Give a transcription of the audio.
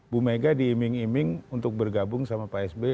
bu mega diiming iming untuk bergabung sama pak sby